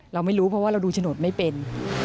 เราไม่รู้เพราะว่าเราดูโฉนดไม่เป็น